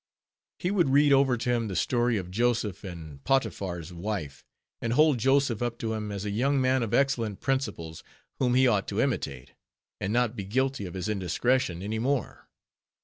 He would read over to him the story of Joseph and Potiphar's wife; and hold Joseph up to him as a young man of excellent principles, whom he ought to imitate, and not be guilty of his indiscretion any more.